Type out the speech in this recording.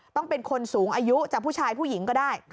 ต้องเป็นคนสูงอายุจะผู้ชายผู้หญิงก็ได้